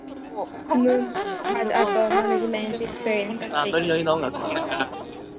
Moonves had upper management experience early in his business career.